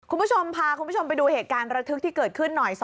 คุณผู้ชมพาคุณผู้ชมไปดูเหตุการณ์ระทึกที่เกิดขึ้นหน่อย